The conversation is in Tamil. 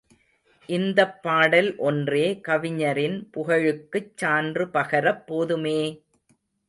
இந்தப் பாடல் ஒன்றே கவிஞரின் புகழுக்குச் சான்று பகரப் போதுமே!